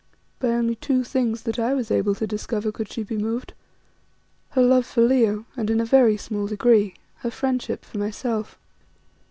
By only two things that I was able to discover could she be moved her love for Leo and, in a very small degree, her friendship for myself.